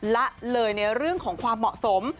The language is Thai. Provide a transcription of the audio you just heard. ละเลยในเรื่องของความเหมาะสม